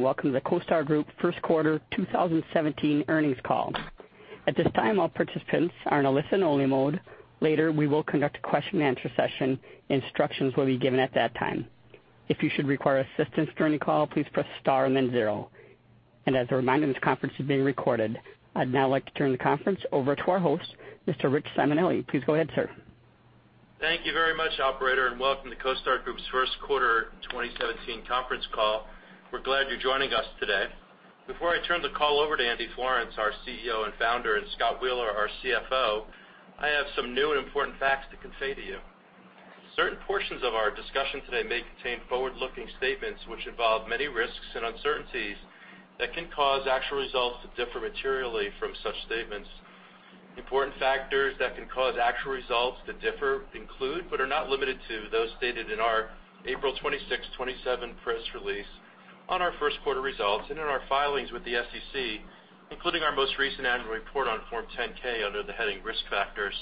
Welcome to the CoStar Group first quarter 2017 earnings call. At this time, all participants are in a listen-only mode. Later, we will conduct a question and answer session. Instructions will be given at that time. If you should require assistance during the call, please press star and then zero. As a reminder, this conference is being recorded. I'd now like to turn the conference over to our host, Mr. Rich Simonelli. Please go ahead, sir. Thank you very much, operator, and welcome to CoStar Group's first quarter 2017 conference call. We're glad you're joining us today. Before I turn the call over to Andy Florance, our CEO and founder, and Scott Wheeler, our CFO, I have some new and important facts to convey to you. Certain portions of our discussion today may contain forward-looking statements which involve many risks and uncertainties that can cause actual results to differ materially from such statements. Important factors that can cause actual results to differ include, but are not limited to, those stated in our April 26, 27 press release on our first quarter results and in our filings with the SEC, including our most recent annual report on Form 10-K under the heading Risk Factors.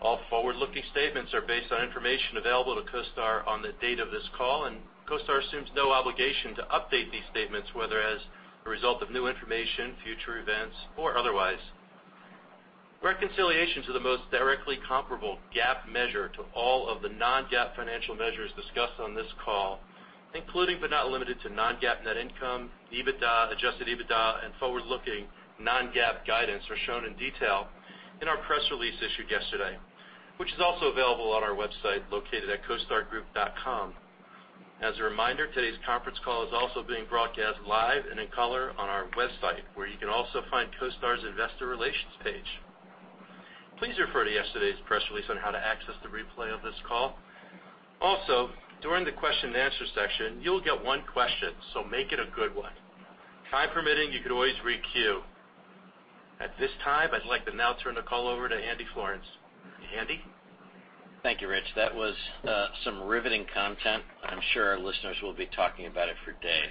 All forward-looking statements are based on information available to CoStar on the date of this call. CoStar assumes no obligation to update these statements, whether as a result of new information, future events, or otherwise. Reconciliation to the most directly comparable GAAP measure to all of the non-GAAP financial measures discussed on this call, including but not limited to non-GAAP net income, EBITDA, adjusted EBITDA, and forward-looking non-GAAP guidance, are shown in detail in our press release issued yesterday, which is also available on our website located at costargroup.com. As a reminder, today's conference call is also being broadcast live and in color on our website, where you can also find CoStar's investor relations page. Please refer to yesterday's press release on how to access the replay of this call. Also, during the question and answer section, you'll get one question, so make it a good one. Time permitting, you could always re-queue. At this time, I'd like to now turn the call over to Andy Florance. Andy? Thank you, Rich. That was some riveting content. I'm sure our listeners will be talking about it for days.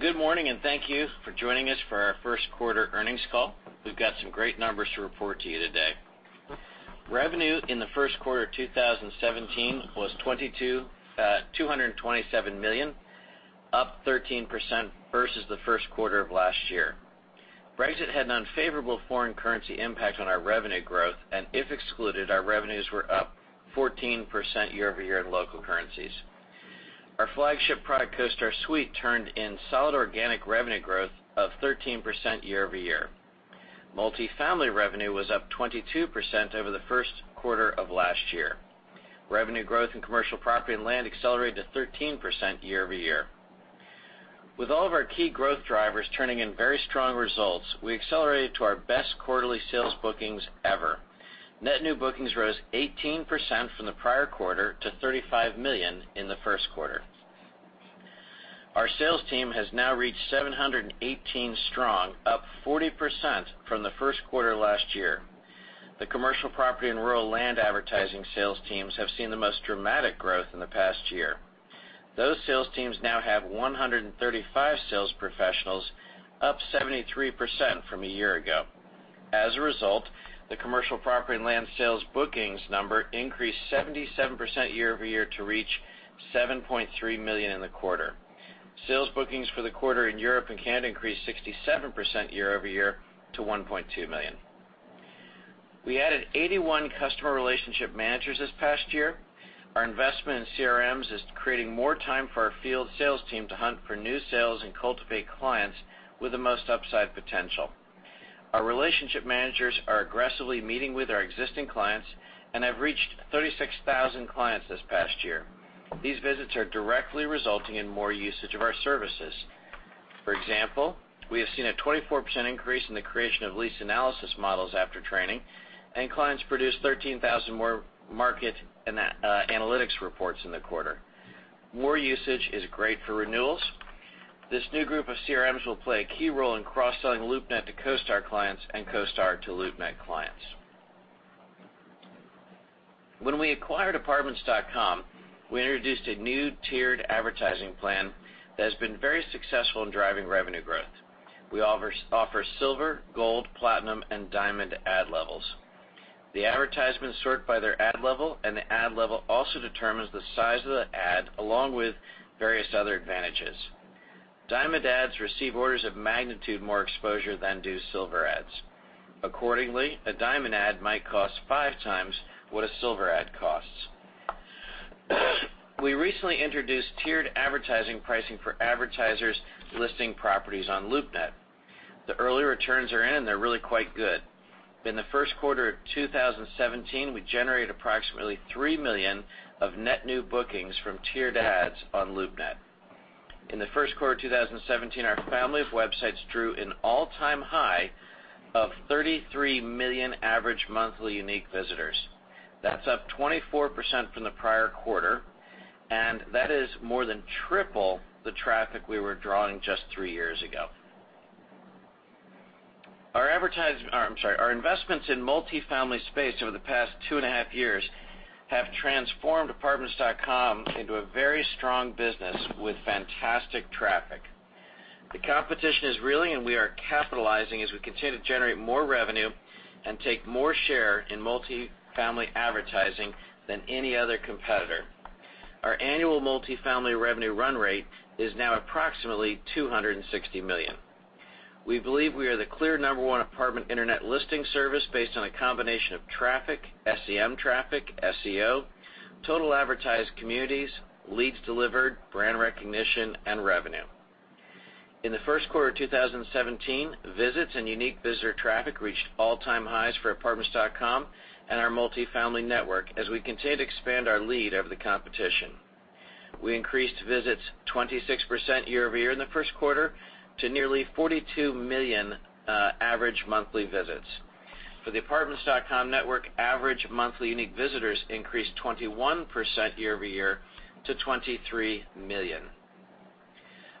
Good morning and thank you for joining us for our first quarter earnings call. We've got some great numbers to report to you today. Revenue in the first quarter of 2017 was $227 million, up 13% versus the first quarter of last year. Brexit had an unfavorable foreign currency impact on our revenue growth, and if excluded, our revenues were up 14% year-over-year in local currencies. Our flagship product, CoStar Suite, turned in solid organic revenue growth of 13% year-over-year. Multifamily revenue was up 22% over the first quarter of last year. Revenue growth in commercial property and land accelerated to 13% year-over-year. With all of our key growth drivers turning in very strong results, we accelerated to our best quarterly sales bookings ever. Net new bookings rose 18% from the prior quarter to $35 million in the first quarter. Our sales team has now reached 718 strong, up 40% from the first quarter last year. The commercial property and rural land advertising sales teams have seen the most dramatic growth in the past year. Those sales teams now have 135 sales professionals, up 73% from a year ago. As a result, the commercial property and land sales bookings number increased 77% year-over-year to reach $7.3 million in the quarter. Sales bookings for the quarter in Europe and Canada increased 67% year-over-year to $1.2 million. We added 81 customer relationship managers this past year. Our investment in CRMs is creating more time for our field sales team to hunt for new sales and cultivate clients with the most upside potential. Our relationship managers are aggressively meeting with our existing clients and have reached 36,000 clients this past year. These visits are directly resulting in more usage of our services. For example, we have seen a 24% increase in the creation of lease analysis models after training, and clients produced 13,000 more market analytics reports in the quarter. More usage is great for renewals. This new group of CRMs will play a key role in cross-selling LoopNet to CoStar clients and CoStar to LoopNet clients. When we acquired Apartments.com, we introduced a new tiered advertising plan that has been very successful in driving revenue growth. We offer silver, gold, platinum, and diamond ad levels. The advertisements sort by their ad level, and the ad level also determines the size of the ad along with various other advantages. Diamond ads receive orders of magnitude more exposure than do silver ads. Accordingly, a diamond ad might cost five times what a silver ad costs. We recently introduced tiered advertising pricing for advertisers listing properties on LoopNet. The early returns are in, and they're really quite good. In the first quarter of 2017, we generated approximately $3 million of net new bookings from tiered ads on LoopNet. In the first quarter of 2017, our family of websites drew an all-time high of 33 million average monthly unique visitors. That's up 24% from the prior quarter, and that is more than triple the traffic we were drawing just three years ago. Our investments in multifamily space over the past two and a half years have transformed Apartments.com into a very strong business with fantastic traffic. The competition is reeling, and we are capitalizing as we continue to generate more revenue and take more share in multifamily advertising than any other competitor. Our annual multifamily revenue run rate is now approximately $260 million. We believe we are the clear number one apartment internet listing service based on a combination of traffic, SEM traffic, SEO, total advertised communities, leads delivered, brand recognition, and revenue. In the first quarter of 2017, visits and unique visitor traffic reached all-time highs for Apartments.com and our multifamily network as we continue to expand our lead over the competition. We increased visits 26% year-over-year in the first quarter to nearly 42 million average monthly visits. For the Apartments.com network, average monthly unique visitors increased 21% year-over-year to 23 million.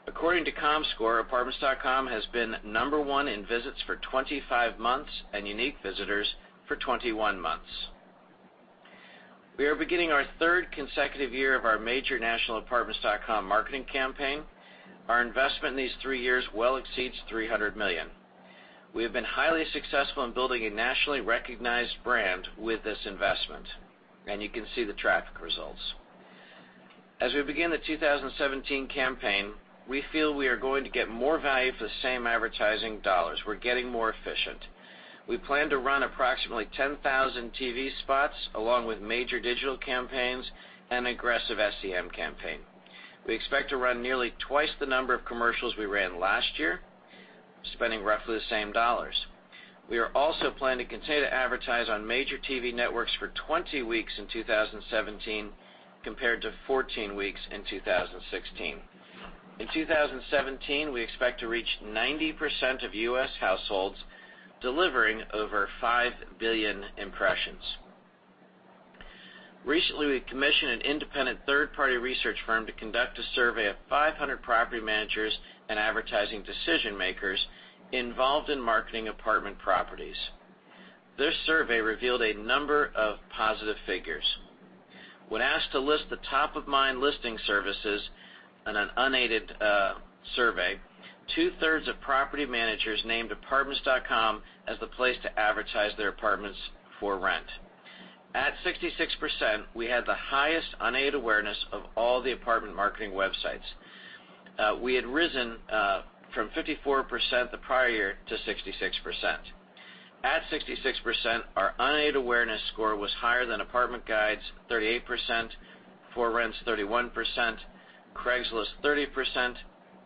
According to Comscore, Apartments.com has been number one in visits for 25 months and unique visitors for 21 months. We are beginning our third consecutive year of our major national Apartments.com marketing campaign. Our investment in these three years well exceeds $300 million. We have been highly successful in building a nationally recognized brand with this investment, and you can see the traffic results. As we begin the 2017 campaign, we feel we are going to get more value for the same advertising dollars. We're getting more efficient. We plan to run approximately 10,000 TV spots along with major digital campaigns and aggressive SEM campaign. We expect to run nearly twice the number of commercials we ran last year, spending roughly the same dollars. We are also planning to continue to advertise on major TV networks for 20 weeks in 2017, compared to 14 weeks in 2016. In 2017, we expect to reach 90% of U.S. households, delivering over 5 billion impressions. Recently, we commissioned an independent third-party research firm to conduct a survey of 500 property managers and advertising decision-makers involved in marketing apartment properties. This survey revealed a number of positive figures. When asked to list the top-of-mind listing services on an unaided survey, two-thirds of property managers named apartments.com as the place to advertise their apartments for rent. At 66%, we had the highest unaided awareness of all the apartment marketing websites. We had risen from 54% the prior year to 66%. At 66%, our unaided awareness score was higher than Apartment Guide's 38%, ForRent's 31%, Craigslist 30%,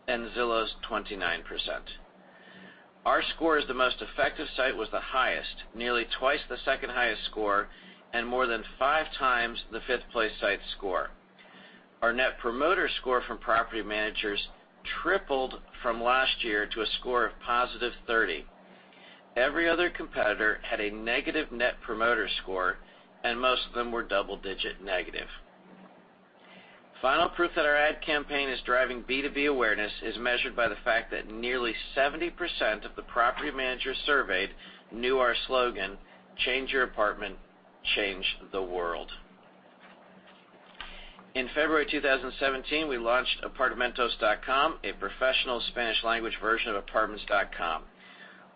and Zillow's 29%. Our score as the most effective site was the highest, nearly twice the second highest score, and more than five times the fifth-place site's score. Our Net Promoter Score from property managers tripled from last year to a score of +30. Every other competitor had a negative Net Promoter Score, and most of them were double-digit negative. Final proof that our ad campaign is driving B2B awareness is measured by the fact that nearly 70% of the property managers surveyed knew our slogan, "Change your apartment, change the world." In February 2017, we launched apartamentos.com, a professional Spanish-language version of apartments.com.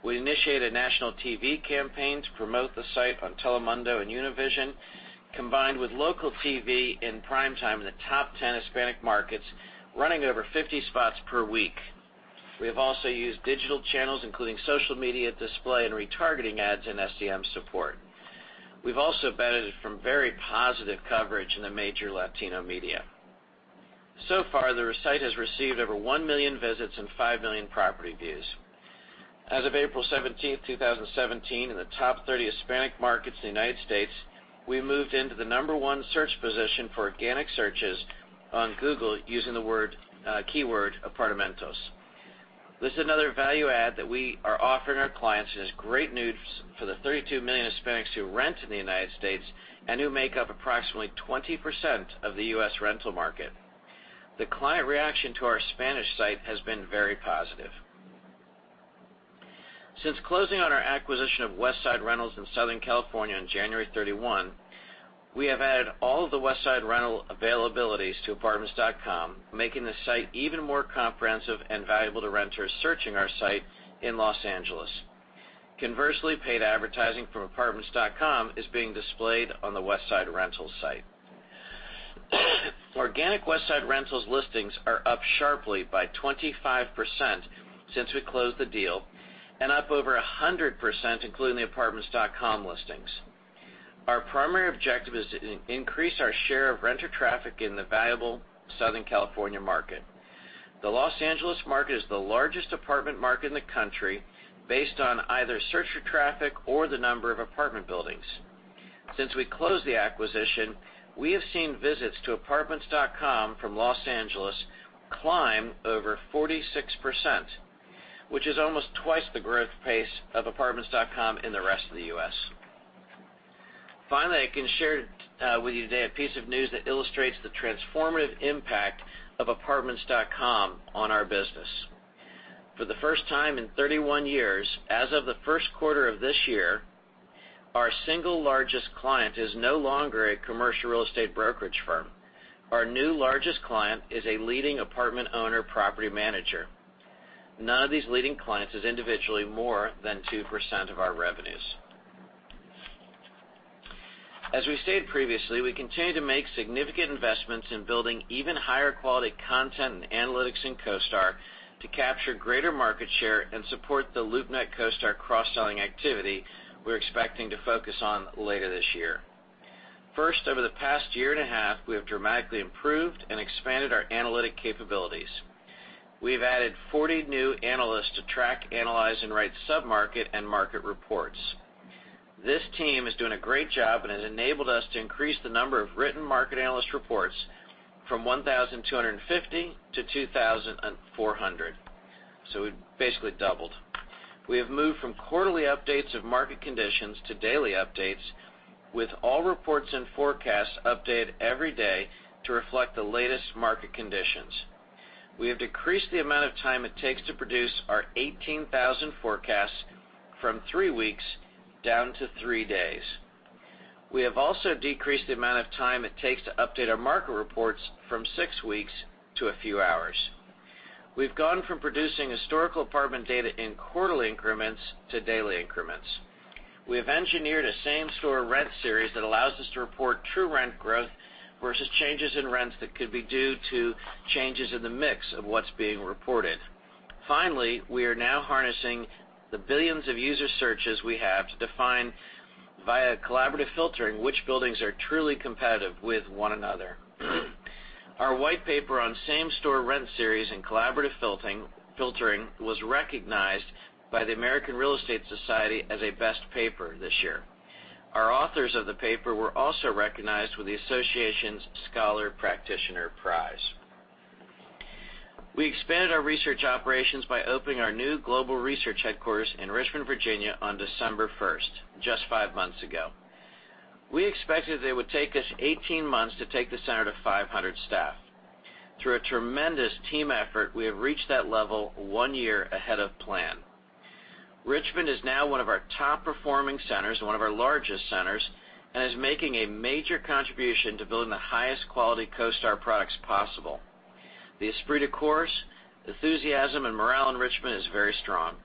We initiated a national TV campaign to promote the site on Telemundo and Univision, combined with local TV in primetime in the top 10 Hispanic markets, running over 50 spots per week. We have also used digital channels, including social media display, and retargeting ads and SEM support. We've also benefited from very positive coverage in the major Latino media. So far, the site has received over one million visits and five million property views. As of April 17, 2017, in the top 30 Hispanic markets in the U.S., we moved into the number 1 search position for organic searches on Google using the keyword apartamentos. This is another value add that we are offering our clients, and it's great news for the 32 million Hispanics who rent in the U.S. and who make up approximately 20% of the U.S. rental market. The client reaction to our Spanish site has been very positive. Since closing on our acquisition of Westside Rentals in Southern California on January 31, we have added all of the Westside Rentals availabilities to apartments.com, making the site even more comprehensive and valuable to renters searching our site in Los Angeles. Conversely, paid advertising from apartments.com is being displayed on the Westside Rentals site. Organic Westside Rentals listings are up sharply by 25% since we closed the deal and up over 100%, including the apartments.com listings. Our primary objective is to increase our share of renter traffic in the valuable Southern California market. The Los Angeles market is the largest apartment market in the country based on either searcher traffic or the number of apartment buildings. Since we closed the acquisition, we have seen visits to apartments.com from Los Angeles climb over 46%, which is almost twice the growth pace of apartments.com in the rest of the U.S. Finally, I can share with you today a piece of news that illustrates the transformative impact of apartments.com on our business. For the first time in 31 years, as of the first quarter of this year, our single largest client is no longer a commercial real estate brokerage firm. Our new largest client is a leading apartment owner property manager. None of these leading clients is individually more than 2% of our revenues. As we stated previously, we continue to make significant investments in building even higher-quality content and analytics in CoStar to capture greater market share and support the LoopNet CoStar cross-selling activity we're expecting to focus on later this year. First, over the past year and a half, we have dramatically improved and expanded our analytic capabilities. We've added 40 new analysts to track, analyze, and write sub-market and market reports. This team is doing a great job and has enabled us to increase the number of written market analyst reports from 1,250 to 2,400. So we've basically doubled. We have moved from quarterly updates of market conditions to daily updates, with all reports and forecasts updated every day to reflect the latest market conditions. We have decreased the amount of time it takes to produce our 18,000 forecasts from three weeks down to three days. We have also decreased the amount of time it takes to update our market reports from six weeks to a few hours. We've gone from producing historical apartment data in quarterly increments to daily increments. We have engineered a same-store rent series that allows us to report true rent growth versus changes in rents that could be due to changes in the mix of what's being reported. Finally, we are now harnessing the billions of user searches we have to define, via collaborative filtering, which buildings are truly competitive with one another. Our white paper on same-store rent series and collaborative filtering was recognized by the American Real Estate Society as a best paper this year. Our authors of the paper were also recognized with the association's Scholar Practitioner Prize. We expanded our research operations by opening our new global research headquarters in Richmond, Virginia, on December 1st, just five months ago. We expected that it would take us 18 months to take the center to 500 staff. Through a tremendous team effort, we have reached that level one year ahead of plan. Richmond is now one of our top-performing centers and one of our largest centers and is making a major contribution to building the highest quality CoStar products possible. The esprit de corps, enthusiasm, and morale in Richmond is very strong.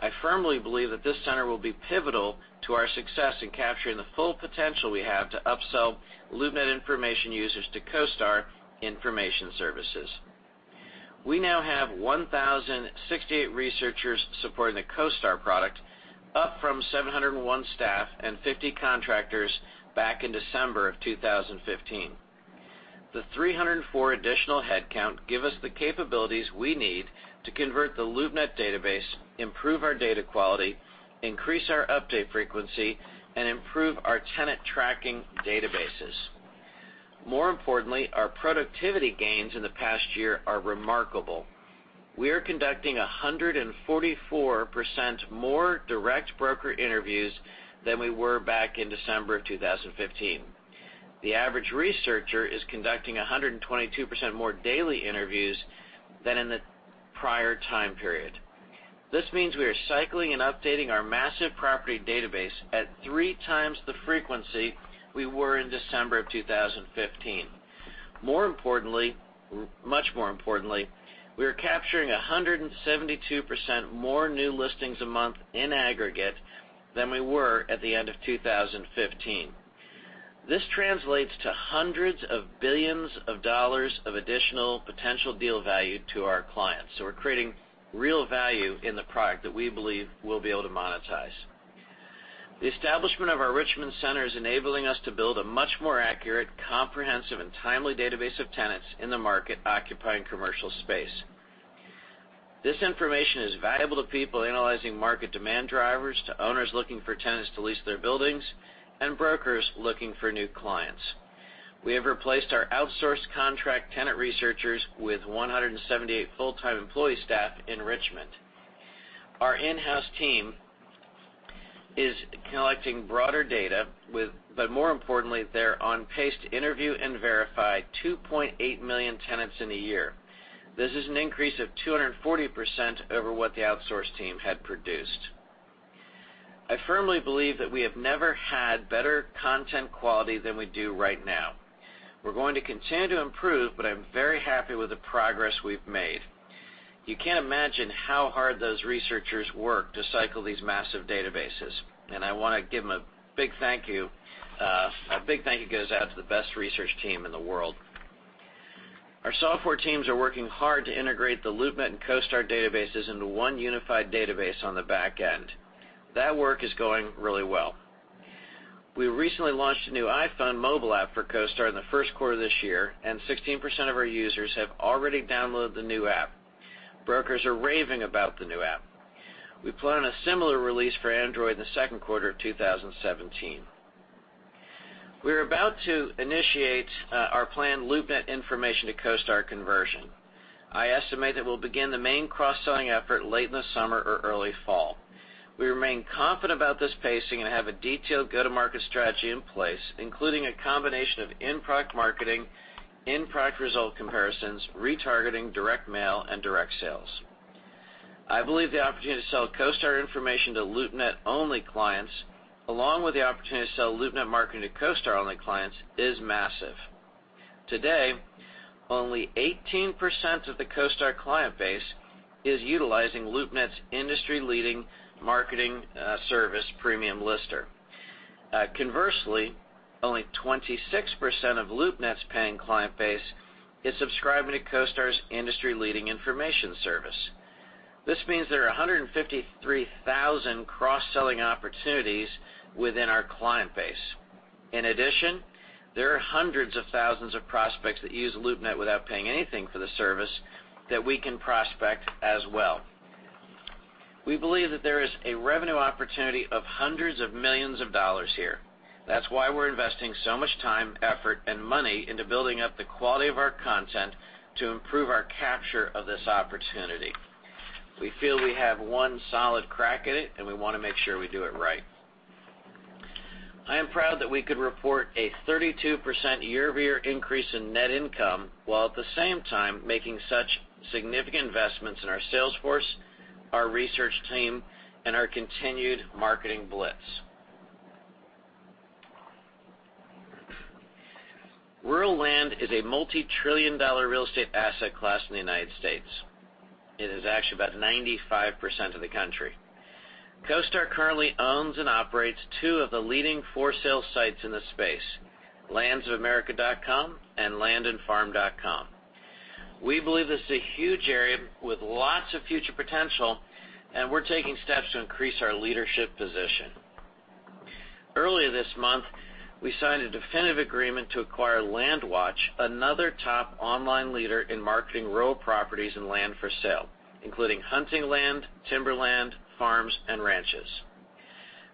I firmly believe that this center will be pivotal to our success in capturing the full potential we have to upsell LoopNet information users to CoStar Information Services. We now have 1,068 researchers supporting the CoStar product, up from 701 staff and 50 contractors back in December of 2015. The 304 additional headcount give us the capabilities we need to convert the LoopNet database, improve our data quality, increase our update frequency, and improve our tenant tracking databases. More importantly, our productivity gains in the past year are remarkable. We are conducting 144% more direct broker interviews than we were back in December of 2015. The average researcher is conducting 122% more daily interviews than in the prior time period. This means we are cycling and updating our massive property database at three times the frequency we were in December of 2015. Much more importantly, we are capturing 172% more new listings a month in aggregate than we were at the end of 2015. This translates to hundreds of billions of dollars of additional potential deal value to our clients. We're creating real value in the product that we believe we'll be able to monetize. The establishment of our Richmond center is enabling us to build a much more accurate, comprehensive, and timely database of tenants in the market occupying commercial space. This information is valuable to people analyzing market demand drivers, to owners looking for tenants to lease their buildings, and brokers looking for new clients. We have replaced our outsourced contract tenant researchers with 178 full-time employee staff in Richmond. Our in-house team is collecting broader data, but more importantly, they're on pace to interview and verify 2.8 million tenants in a year. This is an increase of 240% over what the outsourced team had produced. I firmly believe that we have never had better content quality than we do right now. We're going to continue to improve, but I'm very happy with the progress we've made. You can't imagine how hard those researchers work to cycle these massive databases, and I want to give them a big thank you. A big thank you goes out to the best research team in the world. Our software teams are working hard to integrate the LoopNet and CoStar databases into one unified database on the back end. That work is going really well. We recently launched a new iPhone mobile app for CoStar in the first quarter of this year, and 16% of our users have already downloaded the new app. Brokers are raving about the new app. We plan a similar release for Android in the second quarter of 2017. We're about to initiate our planned LoopNet information to CoStar conversion. I estimate that we'll begin the main cross-selling effort late in the summer or early fall. We remain confident about this pacing and have a detailed go-to-market strategy in place, including a combination of in-product marketing, in-product result comparisons, retargeting, direct mail, and direct sales. I believe the opportunity to sell CoStar information to LoopNet-only clients, along with the opportunity to sell LoopNet marketing to CoStar-only clients, is massive. Today, only 18% of the CoStar client base is utilizing LoopNet's industry-leading marketing service, Premium Lister. Conversely, only 26% of LoopNet's paying client base is subscribing to CoStar's industry-leading information service. This means there are 153,000 cross-selling opportunities within our client base. In addition, there are hundreds of thousands of prospects that use LoopNet without paying anything for the service that we can prospect as well. We believe that there is a revenue opportunity of hundreds of millions of dollars here. That's why we're investing so much time, effort, and money into building up the quality of our content to improve our capture of this opportunity. We feel we have one solid crack at it, and we want to make sure we do it right. I am proud that we could report a 32% year-over-year increase in net income, while at the same time making such significant investments in our sales force, our research team, and our continued marketing blitz. Rural land is a multi-trillion-dollar real estate asset class in the U.S. It is actually about 95% of the country. CoStar currently owns and operates two of the leading for-sale sites in this space, landsofamerica.com and landandfarm.com. We believe this is a huge area with lots of future potential, and we're taking steps to increase our leadership position. Earlier this month, we signed a definitive agreement to acquire LandWatch, another top online leader in marketing rural properties and land for sale, including hunting land, timber land, farms, and ranches.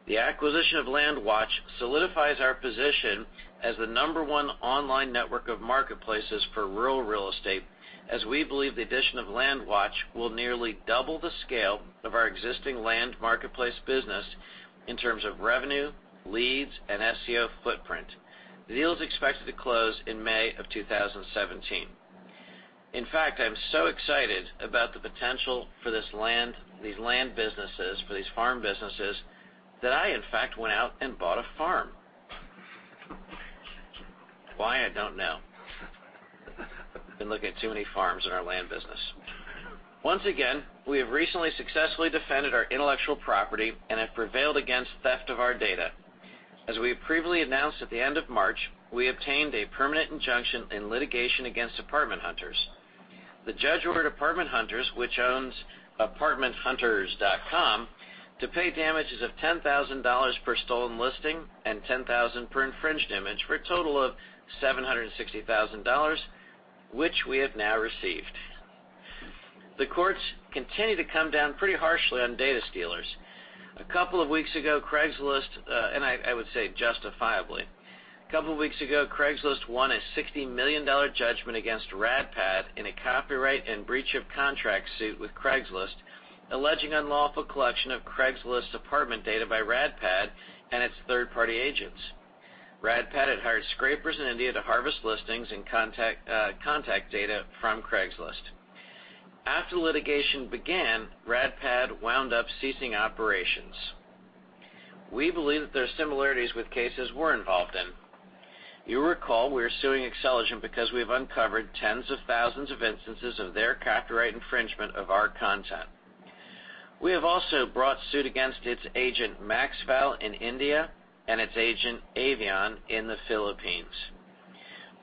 The acquisition of LandWatch solidifies our position as the number 1 online network of marketplaces for rural real estate, as we believe the addition of LandWatch will nearly double the scale of our existing land marketplace business in terms of revenue, leads, and SEO footprint. The deal is expected to close in May of 2017. In fact, I'm so excited about the potential for these land businesses, for these farm businesses, that I, in fact, went out and bought a farm. Why? I don't know. Been looking at too many farms in our land business. Once again, we have recently successfully defended our intellectual property and have prevailed against theft of our data. As we have previously announced, at the end of March, we obtained a permanent injunction in litigation against Apartment Hunters. The judge ordered Apartment Hunters, which owns apartmenthunters.com, to pay damages of $10,000 per stolen listing and $10,000 per infringed image, for a total of $760,000, which we have now received. The courts continue to come down pretty harshly on data stealers. I would say justifiably. A couple of weeks ago, Craigslist won a $60 million judgment against RadPad in a copyright and breach of contract suit with Craigslist, alleging unlawful collection of Craigslist apartment data by RadPad and its third-party agents. RadPad had hired scrapers in India to harvest listings and contact data from Craigslist. After litigation began, RadPad wound up ceasing operations. We believe that there are similarities with cases we're involved in. You'll recall we are suing Xceligent because we have uncovered tens of thousands of instances of their copyright infringement of our content. We have also brought suit against its agent, MaxVal, in India, and its agent, Avion, in the Philippines.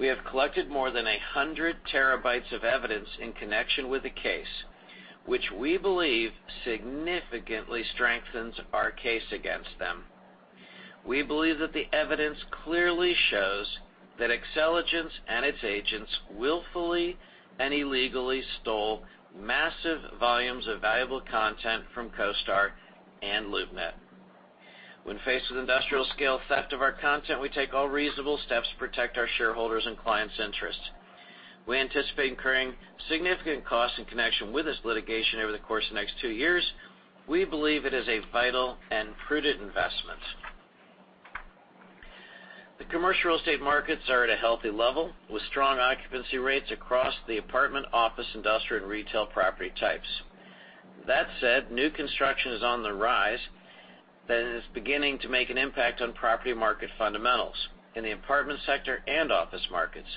We have collected more than 100 terabytes of evidence in connection with the case, which we believe significantly strengthens our case against them. We believe that the evidence clearly shows that Xceligent and its agents willfully and illegally stole massive volumes of valuable content from CoStar and LoopNet. When faced with industrial-scale theft of our content, we take all reasonable steps to protect our shareholders' and clients' interests. We anticipate incurring significant costs in connection with this litigation over the course of the next two years. We believe it is a vital and prudent investment. The commercial real estate markets are at a healthy level, with strong occupancy rates across the apartment, office, industrial, and retail property types. That said, new construction is on the rise and is beginning to make an impact on property market fundamentals in the apartment sector and office markets.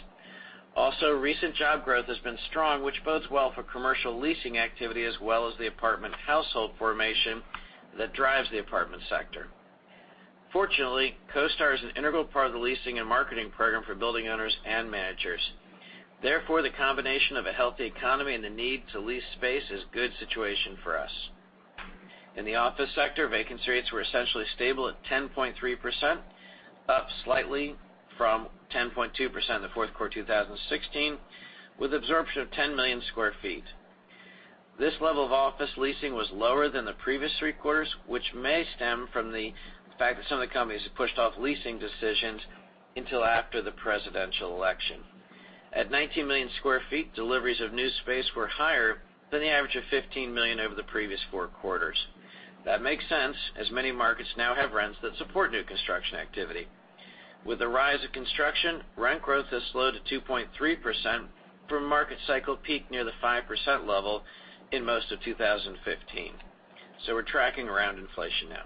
Also, recent job growth has been strong, which bodes well for commercial leasing activity as well as the apartment household formation that drives the apartment sector. Fortunately, CoStar is an integral part of the leasing and marketing program for building owners and managers. Therefore, the combination of a healthy economy and the need to lease space is a good situation for us. In the office sector, vacancy rates were essentially stable at 10.3%, up slightly from 10.2% in the fourth quarter of 2016, with absorption of 10 million square feet. This level of office leasing was lower than the previous three quarters, which may stem from the fact that some of the companies have pushed off leasing decisions until after the presidential election. At 19 million square feet, deliveries of new space were higher than the average of 15 million over the previous four quarters. That makes sense, as many markets now have rents that support new construction activity. With the rise of construction, rent growth has slowed to 2.3% from a market cycle peak near the 5% level in most of 2015. We're tracking around inflation now.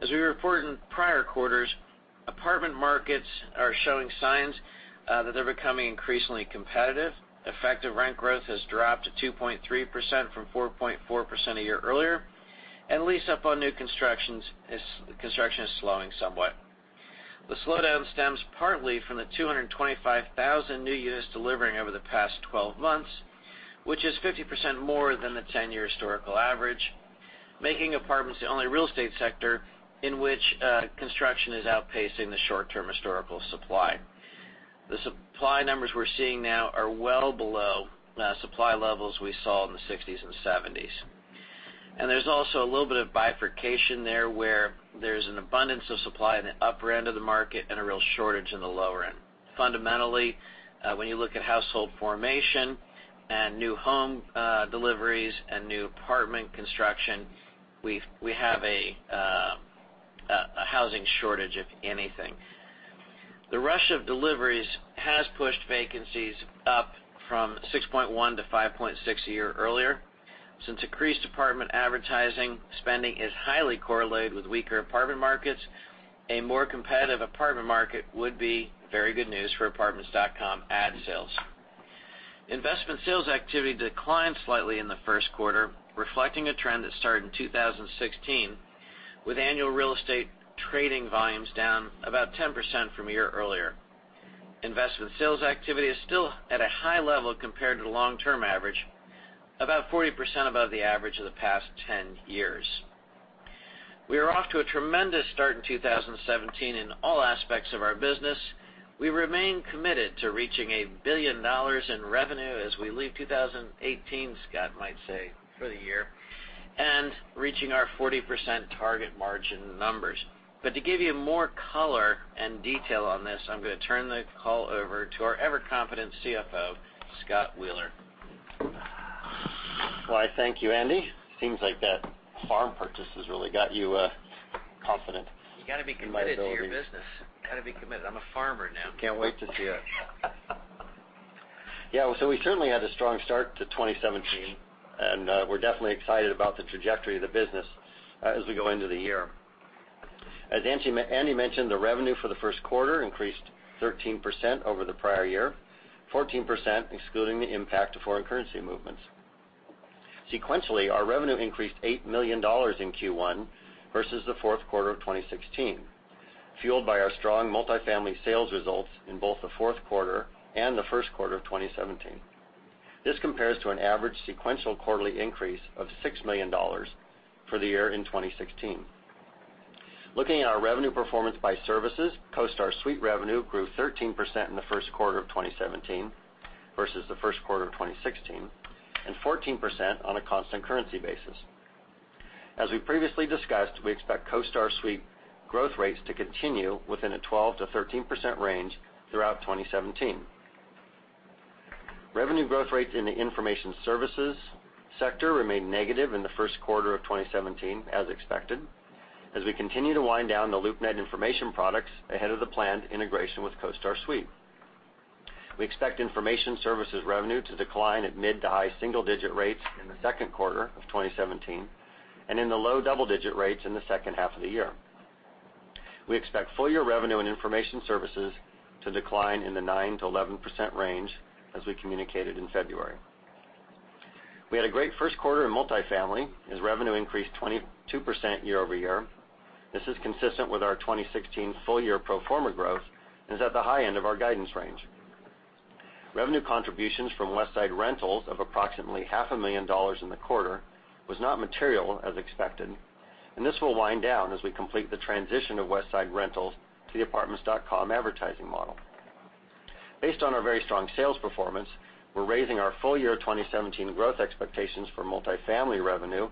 As we reported in prior quarters, apartment markets are showing signs that they're becoming increasingly competitive. Effective rent growth has dropped to 2.3% from 4.4% a year earlier, and lease-up on new construction is slowing somewhat. The slowdown stems partly from the 225,000 new units delivering over the past 12 months, which is 50% more than the 10-year historical average, making apartments the only real estate sector in which construction is outpacing the short-term historical supply. The supply numbers we're seeing now are well below supply levels we saw in the '60s and '70s. There's also a little bit of bifurcation there, where there's an abundance of supply in the upper end of the market and a real shortage in the lower end. Fundamentally, when you look at household formation and new home deliveries and new apartment construction, we have a housing shortage, if anything. The rush of deliveries has pushed vacancies up from 6.1% to 5.6% a year earlier. Since increased apartment advertising spending is highly correlated with weaker apartment markets, a more competitive apartment market would be very good news for Apartments.com ad sales. Investment sales activity declined slightly in the first quarter, reflecting a trend that started in 2016, with annual real estate trading volumes down about 10% from a year earlier. Investment sales activity is still at a high level compared to the long-term average, about 40% above the average of the past 10 years. We are off to a tremendous start in 2017 in all aspects of our business. We remain committed to reaching $1 billion in revenue as we leave 2018, Scott might say, for the year, and reaching our 40% target margin numbers. To give you more color and detail on this, I'm going to turn the call over to our ever-competent CFO, Scott Wheeler. Why thank you, Andy. Seems like that farm purchase has really got you confident in my abilities. You've got to be committed to your business. I'm a farmer now. Can't wait to see it. Yeah. We certainly had a strong start to 2017, and we're definitely excited about the trajectory of the business as we go into the year. As Andy mentioned, the revenue for the first quarter increased 13% over the prior year, 14% excluding the impact of foreign currency movements. Sequentially, our revenue increased $8 million in Q1 versus the fourth quarter of 2016, fueled by our strong multifamily sales results in both the fourth quarter and the first quarter of 2017. This compares to an average sequential quarterly increase of $6 million for the year in 2016. Looking at our revenue performance by services, CoStar Suite revenue grew 13% in the first quarter of 2017 versus the first quarter of 2016, and 14% on a constant currency basis. As we previously discussed, we expect CoStar Suite growth rates to continue within a 12%-13% range throughout 2017. Revenue growth rates in the Information Services sector remained negative in the first quarter of 2017, as expected, as we continue to wind down the LoopNet information products ahead of the planned integration with CoStar Suite. We expect Information Services revenue to decline at mid- to high single-digit rates in the second quarter of 2017, and in the low double-digit rates in the second half of the year. We expect full-year revenue in Information Services to decline in the 9%-11% range, as we communicated in February. We had a great first quarter in multifamily, as revenue increased 22% year-over-year. This is consistent with our 2016 full-year pro forma growth and is at the high end of our guidance range. Revenue contributions from Westside Rentals of approximately half a million dollars in the quarter was not material as expected. This will wind down as we complete the transition of Westside Rentals to the Apartments.com advertising model. Based on our very strong sales performance, we're raising our full-year 2017 growth expectations for multifamily revenue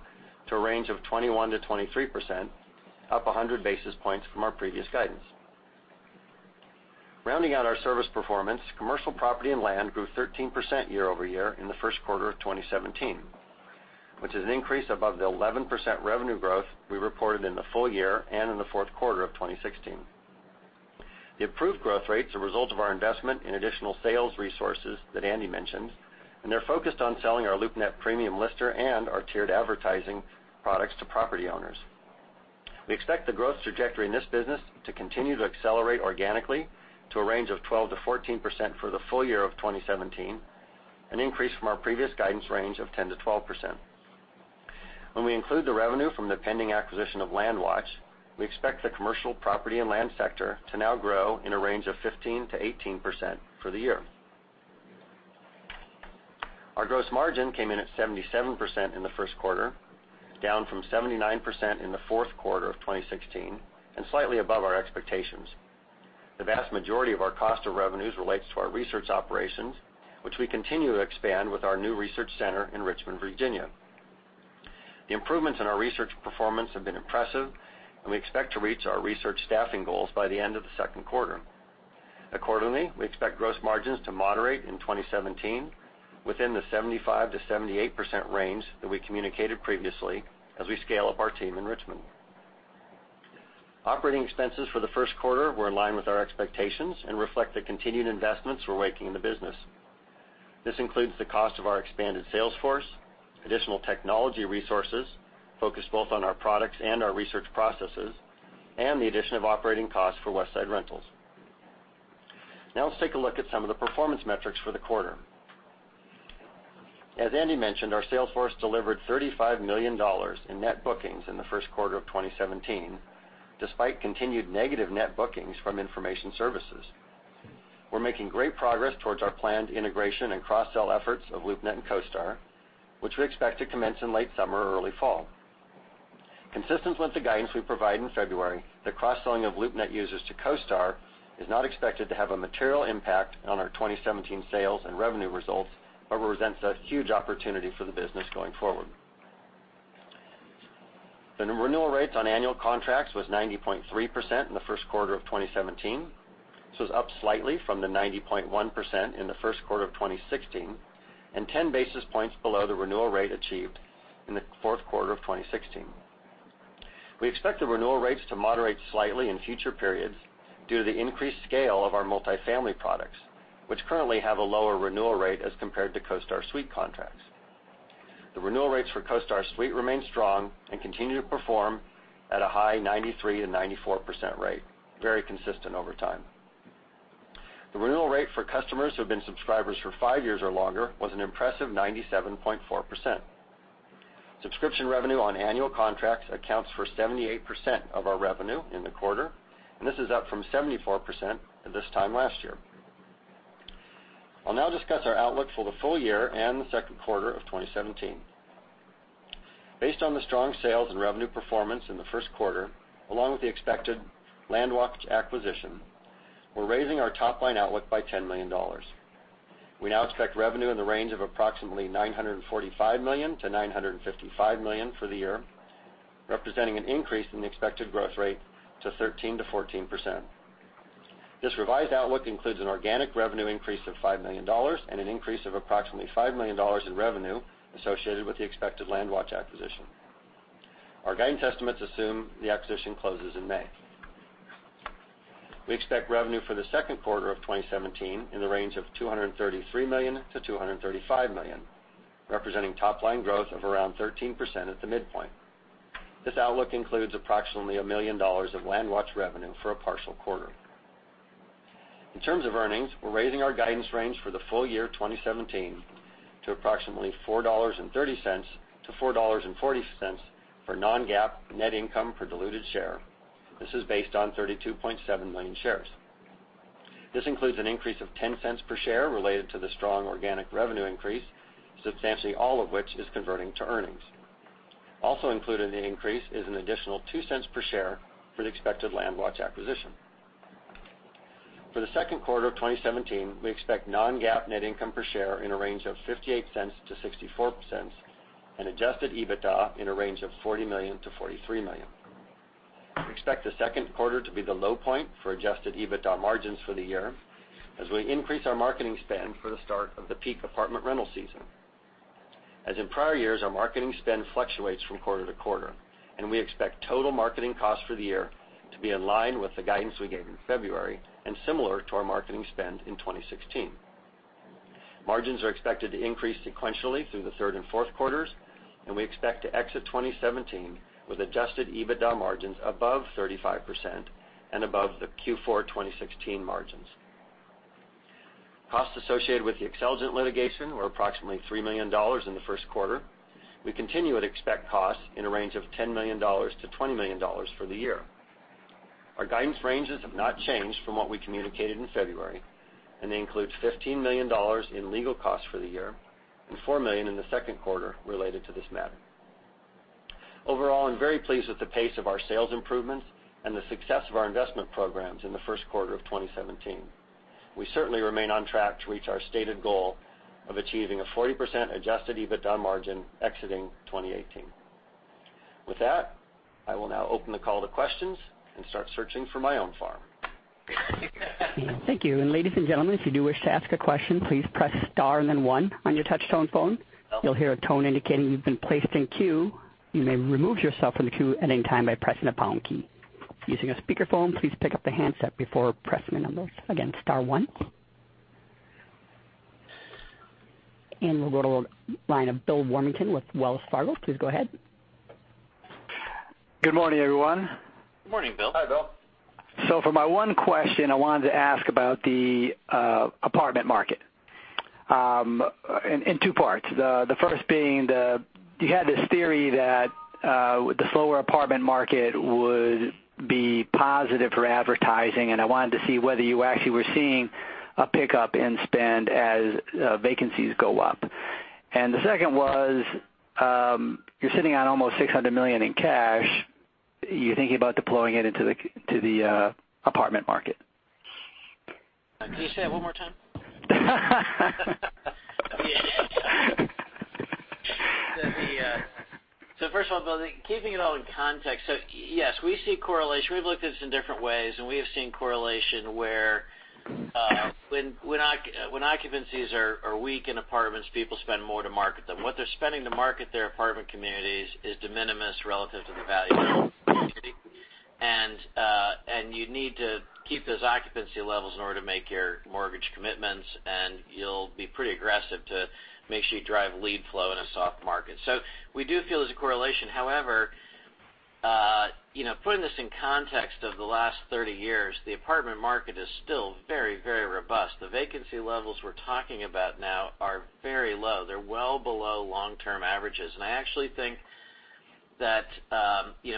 to a range of 21%-23%, up 100 basis points from our previous guidance. Rounding out our service performance, commercial property and land grew 13% year-over-year in the first quarter of 2017, which is an increase above the 11% revenue growth we reported in the full year and in the fourth quarter of 2016. The improved growth rate is a result of our investment in additional sales resources that Andy mentioned. They're focused on selling our LoopNet Premium Lister and our tiered advertising products to property owners. We expect the growth trajectory in this business to continue to accelerate organically to a range of 12%-14% for the full year of 2017, an increase from our previous guidance range of 10%-12%. When we include the revenue from the pending acquisition of LandWatch, we expect the commercial property and land sector to now grow in a range of 15%-18% for the year. Our gross margin came in at 77% in the first quarter, down from 79% in the fourth quarter of 2016, slightly above our expectations. The vast majority of our cost of revenues relates to our research operations, which we continue to expand with our new research center in Richmond, Virginia. The improvements in our research performance have been impressive. We expect to reach our research staffing goals by the end of the second quarter. Accordingly, we expect gross margins to moderate in 2017 within the 75%-78% range that we communicated previously as we scale up our team in Richmond. Operating expenses for the first quarter were in line with our expectations, reflect the continued investments we're making in the business. This includes the cost of our expanded sales force, additional technology resources focused both on our products and our research processes, the addition of operating costs for Westside Rentals. Let's take a look at some of the performance metrics for the quarter. As Andy mentioned, our sales force delivered $35 million in net bookings in the first quarter of 2017, despite continued negative net bookings from Information Services. We're making great progress towards our planned integration and cross-sell efforts of LoopNet and CoStar, which we expect to commence in late summer or early fall. Consistent with the guidance we provided in February, the cross-selling of LoopNet users to CoStar is not expected to have a material impact on our 2017 sales and revenue results, but represents a huge opportunity for the business going forward. The renewal rates on annual contracts was 90.3% in the first quarter of 2017. This was up slightly from the 90.1% in the first quarter of 2016 and 10 basis points below the renewal rate achieved in the fourth quarter of 2016. We expect the renewal rates to moderate slightly in future periods due to the increased scale of our multifamily products, which currently have a lower renewal rate as compared to CoStar Suite contracts. The renewal rates for CoStar Suite remain strong and continue to perform at a high 93%-94% rate, very consistent over time. The renewal rate for customers who have been subscribers for 5 years or longer was an impressive 97.4%. Subscription revenue on annual contracts accounts for 78% of our revenue in the quarter. This is up from 74% at this time last year. I'll now discuss our outlook for the full year and the second quarter of 2017. Based on the strong sales and revenue performance in the first quarter, along with the expected LandWatch acquisition, we're raising our top-line outlook by $10 million. We now expect revenue in the range of approximately $945 million-$955 million for the year, representing an increase in the expected growth rate to 13%-14%. This revised outlook includes an organic revenue increase of $5 million and an increase of approximately $5 million in revenue associated with the expected LandWatch acquisition. Our guidance estimates assume the acquisition closes in May. We expect revenue for the second quarter of 2017 in the range of $233 million-$235 million, representing top-line growth of around 13% at the midpoint. This outlook includes approximately $1 million of LandWatch revenue for a partial quarter. In terms of earnings, we're raising our guidance range for the full year 2017 to approximately $4.30-$4.40 for non-GAAP net income per diluted share. This is based on 32.7 million shares. This includes an increase of $0.10 per share related to the strong organic revenue increase, substantially all of which is converting to earnings. Also included in the increase is an additional $0.02 per share for the expected LandWatch acquisition. For the second quarter of 2017, we expect non-GAAP net income per share in a range of $0.58-$0.64 and adjusted EBITDA in a range of $40 million-$43 million. We expect the second quarter to be the low point for adjusted EBITDA margins for the year as we increase our marketing spend for the start of the peak apartment rental season. As in prior years, our marketing spend fluctuates from quarter to quarter. We expect total marketing costs for the year to be in line with the guidance we gave in February and similar to our marketing spend in 2016. Margins are expected to increase sequentially through the third and fourth quarters. We expect to exit 2017 with adjusted EBITDA margins above 35% and above the Q4 2016 margins. Costs associated with the Xceligent litigation were approximately $3 million in the first quarter. We continue to expect costs in a range of $10 million-$20 million for the year. Our guidance ranges have not changed from what we communicated in February, they include $15 million in legal costs for the year and $4 million in the second quarter related to this matter. Overall, I'm very pleased with the pace of our sales improvements and the success of our investment programs in the first quarter of 2017. We certainly remain on track to reach our stated goal of achieving a 40% adjusted EBITDA margin exiting 2018. With that, I will now open the call to questions and start searching for my own farm. Thank you. Ladies and gentlemen, if you do wish to ask a question, please press star and then one on your touch-tone phone. You'll hear a tone indicating you've been placed in queue. You may remove yourself from the queue at any time by pressing the pound key. Using a speakerphone, please pick up the handset before pressing the numbers. Again, star one. We'll go to the line of Bill Warmington with Wells Fargo. Please go ahead. Good morning, everyone. Good morning, Bill. Hi, Bill. For my one question, I wanted to ask about the apartment market in two parts. The first being you had this theory that the slower apartment market would be positive for advertising, and I wanted to see whether you actually were seeing a pickup in spend as vacancies go up. The second was, you're sitting on almost $600 million in cash. Are you thinking about deploying it into the apartment market? Can you say that one more time? First of all, keeping it all in context. Yes, we see correlation. We've looked at this in different ways, and we have seen correlation where when occupancies are weak in apartments, people spend more to market them. What they're spending to market their apartment communities is de minimis relative to the value of the community. You need to keep those occupancy levels in order to make your mortgage commitments, and you'll be pretty aggressive to make sure you drive lead flow in a soft market. We do feel there's a correlation. However, putting this in context of the last 30 years, the apartment market is still very robust. The vacancy levels we're talking about now are very low. They're well below long-term averages. I actually think that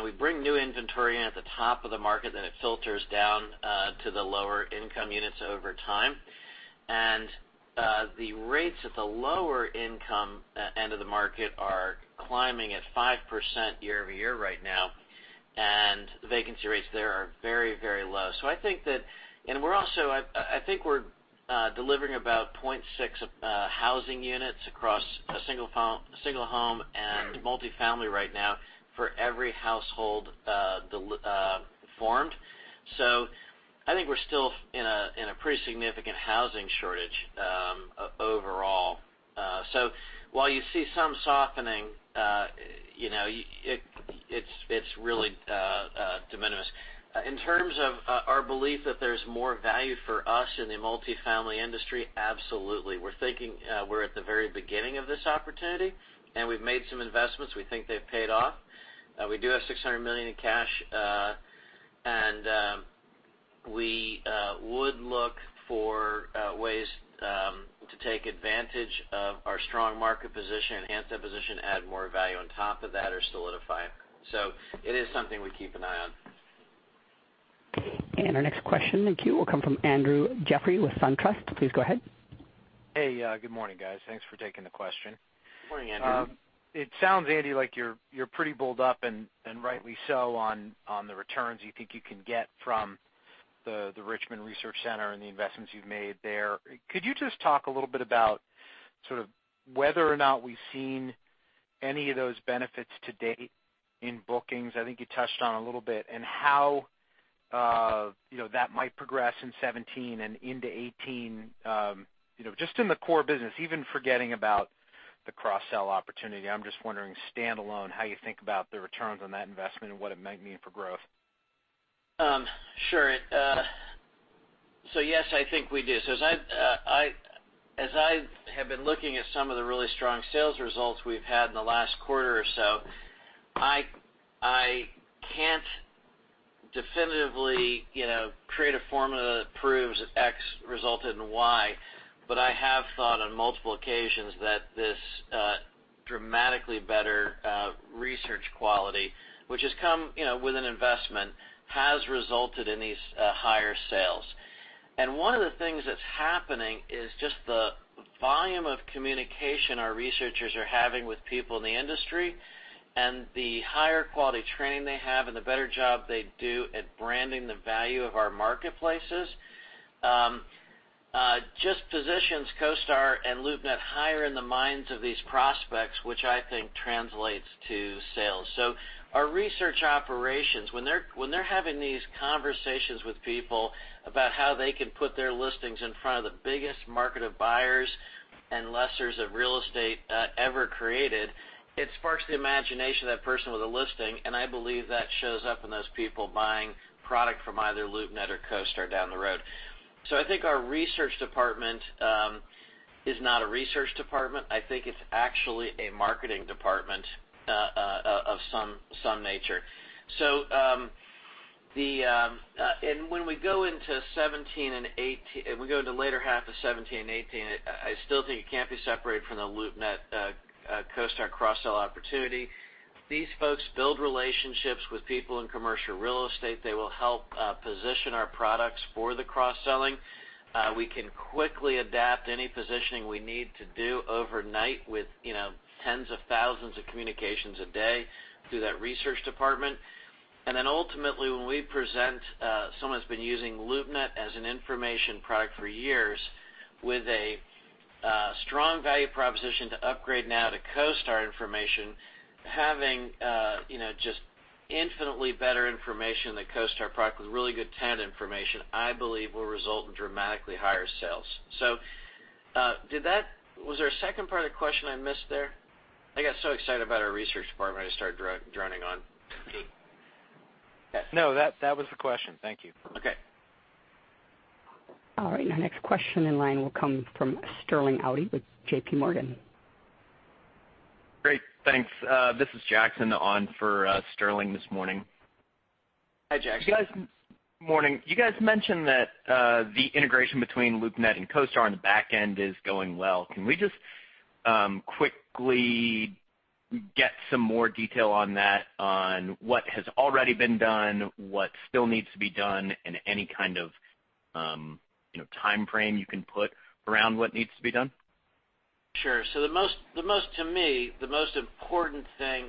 we bring new inventory in at the top of the market, it filters down to the lower-income units over time. The rates at the lower income end of the market are climbing at 5% year-over-year right now, and the vacancy rates there are very low. I think we're delivering about 0.6 housing units across a single home and multi-family right now for every household formed. I think we're still in a pretty significant housing shortage overall. While you see some softening, it's really de minimis. In terms of our belief that there's more value for us in the multi-family industry, absolutely. We're thinking we're at the very beginning of this opportunity, and we've made some investments. We think they've paid off. We do have $600 million in cash, we would look for ways to take advantage of our strong market position, enhance that position, add more value on top of that, or solidify it. It is something we keep an eye on. Our next question in the queue will come from Andrew Jeffrey with SunTrust. Please go ahead. Hey, good morning, guys. Thanks for taking the question. Morning, Andrew. It sounds, Andy, like you're pretty bulled up, and rightly so, on the returns you think you can get from the Richmond Research Center and the investments you've made there. Could you just talk a little bit about sort of whether or not we've seen any of those benefits to date in bookings? I think you touched on a little bit, and how that might progress in 2017 and into 2018. Just in the core business, even forgetting about the cross-sell opportunity, I'm just wondering standalone, how you think about the returns on that investment and what it might mean for growth. Sure. Yes, I think we do. As I have been looking at some of the really strong sales results we've had in the last quarter or so, I can't definitively create a formula that proves X resulted in Y, but I have thought on multiple occasions that this dramatically better research quality, which has come with an investment, has resulted in these higher sales. One of the things that's happening is just the volume of communication our researchers are having with people in the industry, and the higher quality training they have and the better job they do at branding the value of our marketplaces just positions CoStar and LoopNet higher in the minds of these prospects, which I think translates to sales. Our research operations, when they're having these conversations with people about how they can put their listings in front of the biggest market of buyers and lessors of real estate ever created, it sparks the imagination of that person with a listing, I believe that shows up in those people buying product from either LoopNet or CoStar down the road. I think our research department is not a research department. I think it's actually a marketing department of some nature. When we go into the later half of 2017 and 2018, I still think it can't be separated from the LoopNet-CoStar cross-sell opportunity. These folks build relationships with people in commercial real estate. They will help position our products for the cross-selling. We can quickly adapt any positioning we need to do overnight with tens of thousands of communications a day through that research department. Ultimately, when we present someone that's been using LoopNet as an information product for years with a strong value proposition to upgrade now to CoStar information, having just infinitely better information than CoStar product with really good tenant information, I believe will result in dramatically higher sales. Was there a second part of the question I missed there? I got so excited about our research department, I just started droning on. No, that was the question. Thank you. Okay. All right. Our next question in line will come from Sterling Auty with JPMorgan. Great. Thanks. This is Jackson on for Sterling this morning. Hi, Jackson. Morning. You guys mentioned that the integration between LoopNet and CoStar on the back end is going well. Can we just quickly get some more detail on that, on what has already been done, what still needs to be done, and any kind of timeframe you can put around what needs to be done? Sure. To me, the most important thing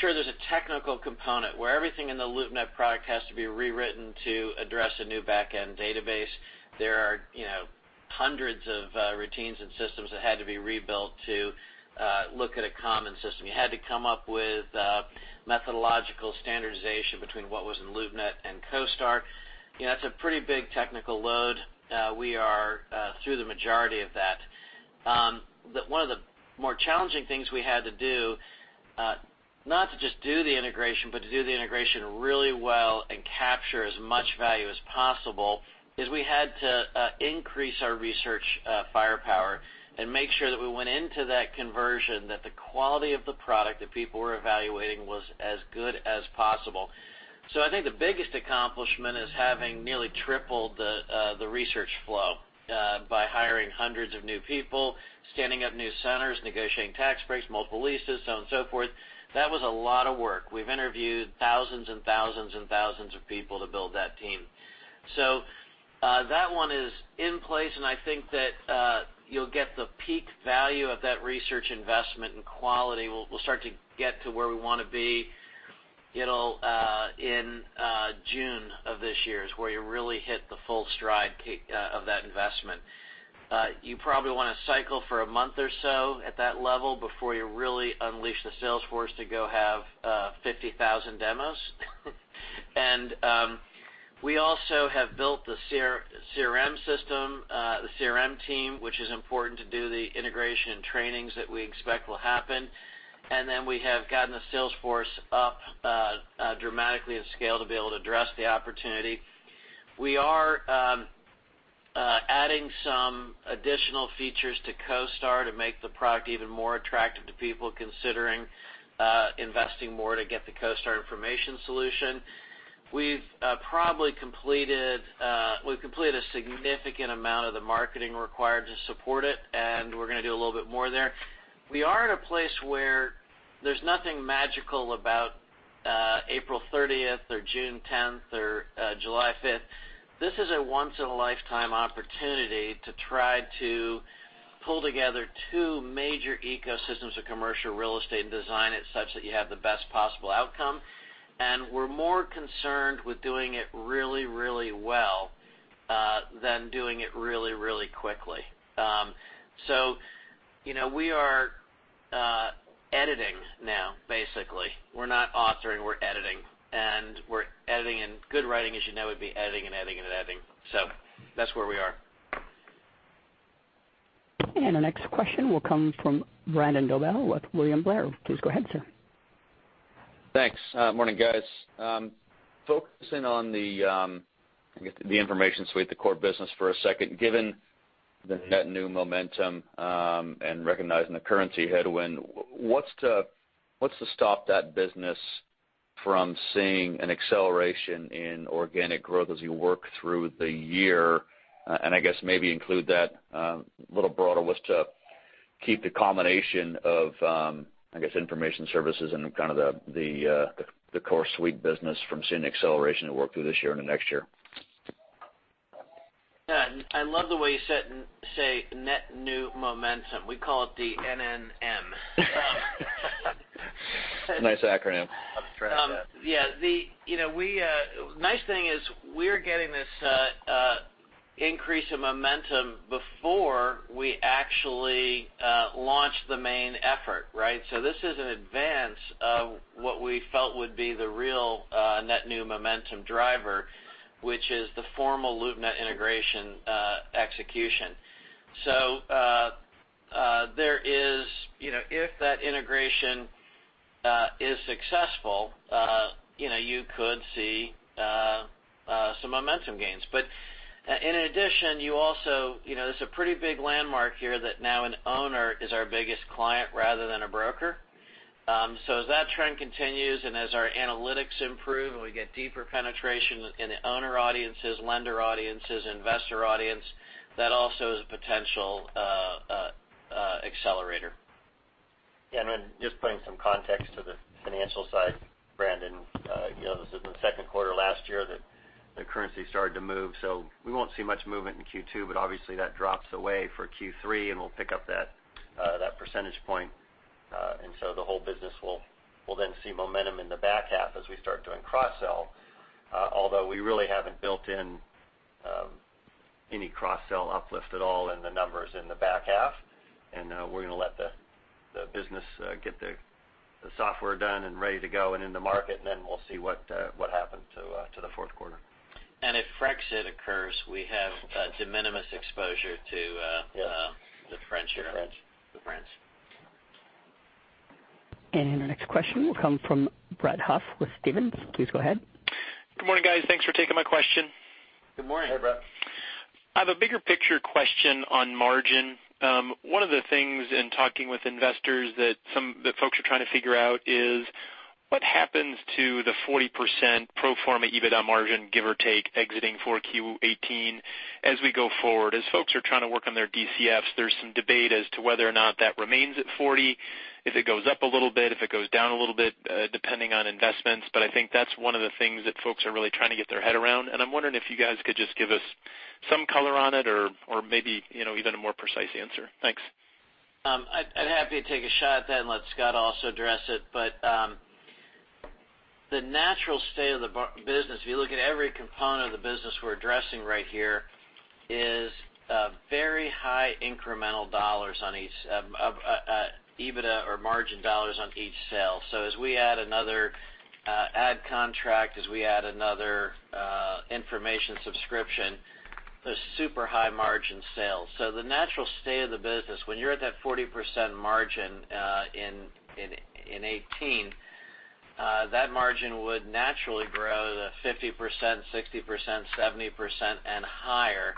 Sure, there's a technical component where everything in the LoopNet product has to be rewritten to address a new back-end database. There are hundreds of routines and systems that had to be rebuilt to look at a common system. You had to come up with methodological standardization between what was in LoopNet and CoStar. That's a pretty big technical load. We are through the majority of that. One of the more challenging things we had to do, not to just do the integration, but to do the integration really well and capture as much value as possible, is we had to increase our research firepower and make sure that we went into that conversion, that the quality of the product that people were evaluating was as good as possible. I think the biggest accomplishment is having nearly tripled the research flow by hiring hundreds of new people, standing up new centers, negotiating tax breaks, multiple leases, so on and so forth. That was a lot of work. We've interviewed thousands of people to build that team. That one is in place, and I think that you'll get the peak value of that research investment and quality. We'll start to get to where we want to be in June of this year, is where you really hit the full stride of that investment. You probably want to cycle for a month or so at that level before you really unleash the sales force to go have 50,000 demos. We also have built the CRM system, the CRM team, which is important to do the integration and trainings that we expect will happen. We have gotten the sales force up dramatically in scale to be able to address the opportunity. We are adding some additional features to CoStar to make the product even more attractive to people considering investing more to get the CoStar information solution. We've completed a significant amount of the marketing required to support it, and we're going to do a little bit more there. We are at a place where there's nothing magical about April 30th or June 10th or July 5th. This is a once-in-a-lifetime opportunity to try to pull together two major ecosystems of commercial real estate and design it such that you have the best possible outcome. We're more concerned with doing it really, really well than doing it really, really quickly. We are editing now, basically. We're not authoring, we're editing. We're editing, good writing, as you know, would be editing and editing and editing. That's where we are. The next question will come from Brandon Dobell with William Blair. Please go ahead, sir. Thanks. Morning, guys. Focusing on the, I guess, the information suite, the core business for a second. Given the net new momentum, recognizing the currency headwind, what's to stop that business from seeing an acceleration in organic growth as you work through the year? I guess maybe include that a little broader, was to keep the combination of, I guess, Information Services and kind of the core suite business from seeing acceleration to work through this year and the next year. I love the way you say net new momentum. We call it the N-N-M. Nice acronym. The nice thing is we're getting this increase in momentum before we actually launch the main effort, right? This is an advance of what we felt would be the real net new momentum driver, which is the formal LoopNet integration execution. If that integration is successful, you could see some momentum gains. In addition, there's a pretty big landmark here that now an owner is our biggest client rather than a broker. As that trend continues and as our analytics improve and we get deeper penetration in the owner audiences, lender audiences, investor audience, that also is a potential accelerator. Then just putting some context to the financial side, Brandon. This is the second quarter of last year that the currency started to move. We won't see much movement in Q2, but obviously that drops away for Q3, and we'll pick up that percentage point. The whole business will then see momentum in the back half as we start doing cross-sell. Although we really haven't built in any cross-sell uplift at all in the numbers in the back half. We're going to let the business get the software done and ready to go and in the market, and then we'll see what happens to the fourth quarter. If Frexit occurs, we have de minimis exposure. Yes The French here. The French. The French. The next question will come from Brett Huff with Stephens. Please go ahead. Good morning, guys. Thanks for taking my question. Good morning. Hey, Brett. I have a bigger picture question on margin. One of the things in talking with investors that folks are trying to figure out is what happens to the 40% pro forma EBITDA margin, give or take, exiting for Q18 as we go forward? As folks are trying to work on their DCFs, there's some debate as to whether or not that remains at 40%, if it goes up a little bit, if it goes down a little bit, depending on investments. I think that's one of the things that folks are really trying to get their head around. I'm wondering if you guys could just give us some color on it or maybe even a more precise answer. Thanks. I'd happy to take a shot at that and let Scott also address it. The natural state of the business, if you look at every component of the business we're addressing right here, is very high incremental dollars on each EBITDA or margin dollars on each sale. As we add another ad contract, as we add another information subscription, they're super high-margin sales. The natural state of the business, when you're at that 40% margin in 2018, that margin would naturally grow to 50%, 60%, 70%, and higher.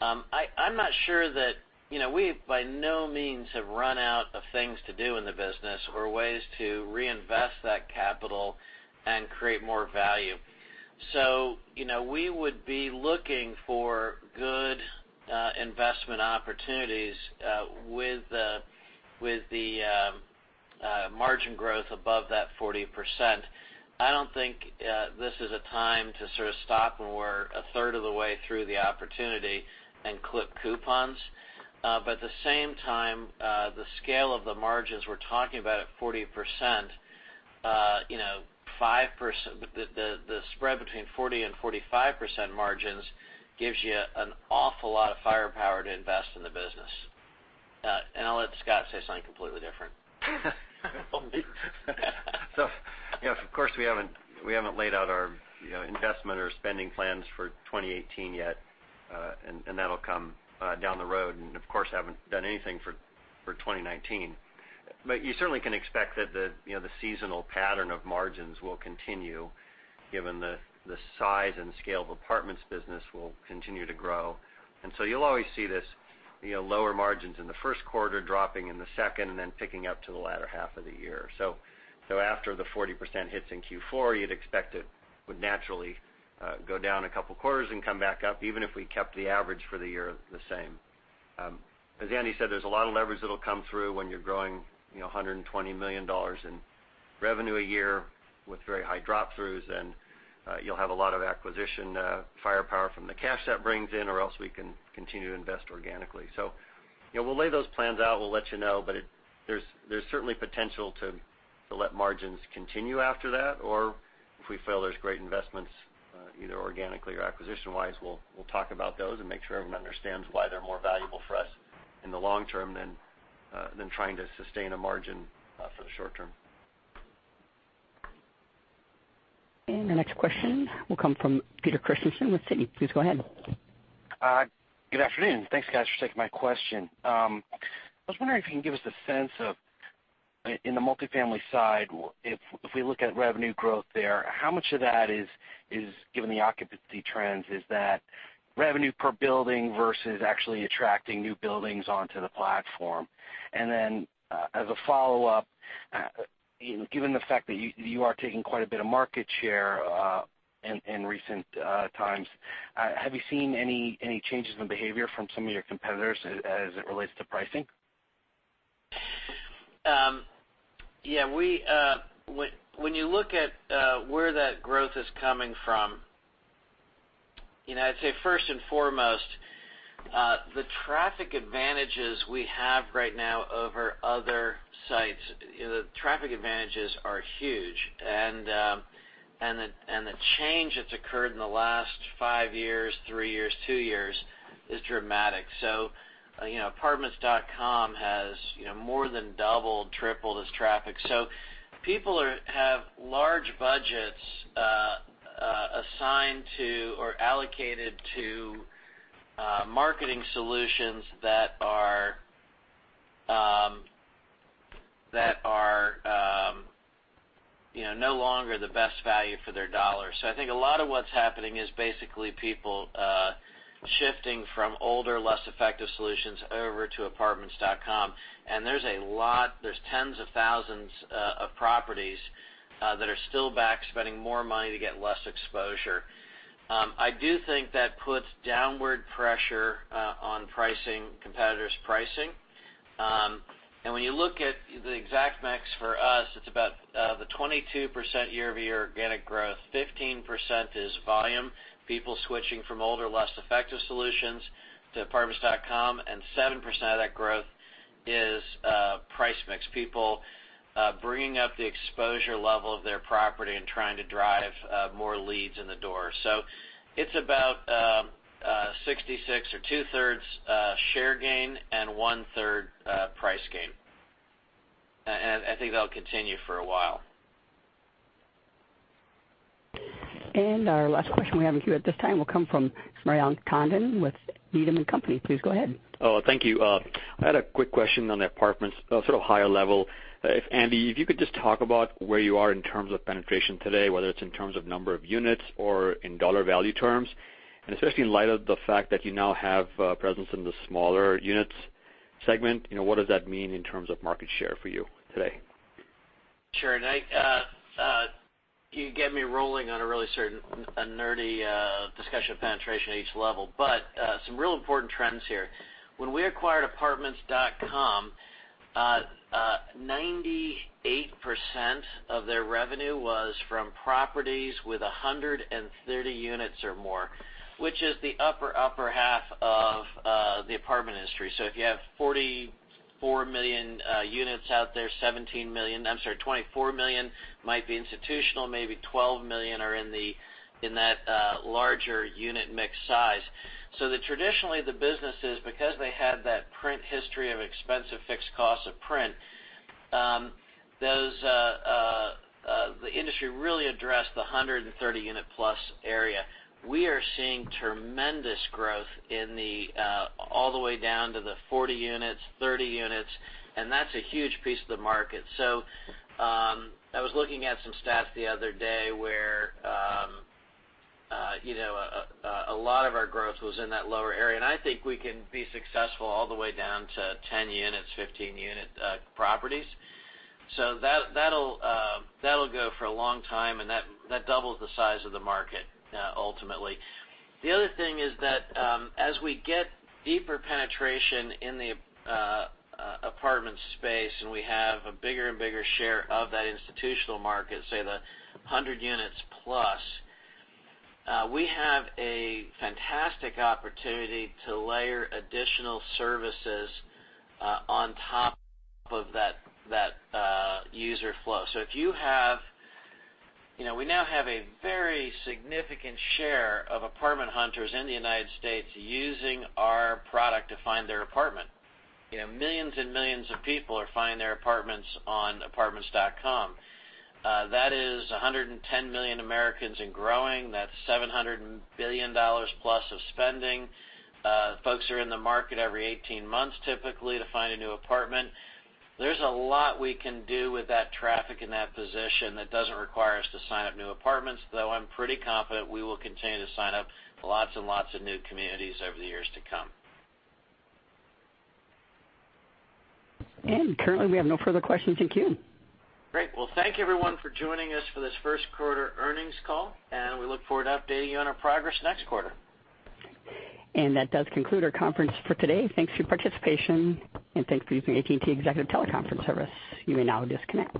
I'm not sure that we, by no means, have run out of things to do in the business or ways to reinvest that capital and create more value. We would be looking for good investment opportunities with the margin growth above that 40%. I don't think this is a time to sort of stop when we're a third of the way through the opportunity and clip coupons. At the same time, the scale of the margins we're talking about at 40%, the spread between 40% and 45% margins gives you an awful lot of firepower to invest in the business. I'll let Scott say something completely different. Of course, we haven't laid out our investment or spending plans for 2018 yet. That'll come down the road. Of course, haven't done anything for 2019. You certainly can expect that the seasonal pattern of margins will continue, given the size and scale of Apartments business will continue to grow. You'll always see this, lower margins in the first quarter, dropping in the second, then picking up to the latter half of the year. After the 40% hits in Q4, you'd expect it would naturally go down a couple quarters and come back up, even if we kept the average for the year the same. As Andy said, there's a lot of leverage that'll come through when you're growing $120 million in revenue a year with very high drop-throughs, and you'll have a lot of acquisition firepower from the cash that brings in, or else we can continue to invest organically. We'll lay those plans out, we'll let you know, but there's certainly potential to let margins continue after that. If we feel there's great investments, either organically or acquisition-wise, we'll talk about those and make sure everyone understands why they're more valuable for us in the long term than trying to sustain a margin for the short term. The next question will come from Peter Christiansen with Citi. Please go ahead. Good afternoon. Thanks, guys, for taking my question. I was wondering if you can give us a sense of, in the multifamily side, if we look at revenue growth there, how much of that is given the occupancy trends, is that revenue per building versus actually attracting new buildings onto the platform? As a follow-up, given the fact that you are taking quite a bit of market share in recent times, have you seen any changes in behavior from some of your competitors as it relates to pricing? Yeah. When you look at where that growth is coming from, I'd say first and foremost, the traffic advantages we have right now over other sites, the traffic advantages are huge. The change that's occurred in the last five years, three years, two years, is dramatic. Apartments.com has more than doubled, tripled as traffic. People have large budgets assigned to or allocated to marketing solutions that are no longer the best value for their dollar. I think a lot of what's happening is basically people shifting from older, less effective solutions over to Apartments.com, and there's a lot, there's tens of thousands of properties that are still back spending more money to get less exposure. I do think that puts downward pressure on competitors' pricing. When you look at the exact mix for us, it's about the 22% year-over-year organic growth, 15% is volume, people switching from older, less effective solutions to Apartments.com, and 7% of that growth is price mix. People bringing up the exposure level of their property and trying to drive more leads in the door. It's about 66% or two-thirds share gain, and one-third price gain. I think that'll continue for a while. Our last question we have in queue at this time will come from Chris Smajdor with Needham & Company. Please go ahead. Thank you. I had a quick question on the apartments, sort of higher level. Andy, if you could just talk about where you are in terms of penetration today, whether it's in terms of number of units or in dollar value terms, and especially in light of the fact that you now have a presence in the smaller units segment, what does that mean in terms of market share for you today? Sure. You get me rolling on a really certain nerdy discussion of penetration at each level. Some real important trends here. When we acquired Apartments.com, 98% of their revenue was from properties with 130 units or more, which is the upper half of the apartment industry. If you have 44 million units out there, 17 million, I'm sorry, 24 million might be institutional, maybe 12 million are in that larger unit mix size. Traditionally, the businesses, because they had that print history of expensive fixed costs of print, the industry really addressed the 130-unit plus area. We are seeing tremendous growth all the way down to the 40 units, 30 units, and that's a huge piece of the market. I was looking at some stats the other day where a lot of our growth was in that lower area, and I think we can be successful all the way down to 10 units, 15-unit properties. That'll go for a long time, and that doubles the size of the market ultimately. The other thing is that as we get deeper penetration in the apartment space, and we have a bigger and bigger share of that institutional market, say the 100 units plus, we have a fantastic opportunity to layer additional services on top of that user flow. We now have a very significant share of apartment hunters in the U.S. using our product to find their apartment. Millions and millions of people are finding their apartments on Apartments.com. That is 110 million Americans and growing. That's $700 billion plus of spending. Folks are in the market every 18 months typically to find a new apartment. There's a lot we can do with that traffic and that position that doesn't require us to sign up new apartments, though I'm pretty confident we will continue to sign up lots and lots of new communities over the years to come. Currently, we have no further questions in queue. Great. Well, thank you, everyone, for joining us for this first quarter earnings call. We look forward to updating you on our progress next quarter. That does conclude our conference for today. Thanks for your participation, and thanks for using AT&T Executive Teleconference Service. You may now disconnect.